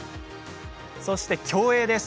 そして、競泳です。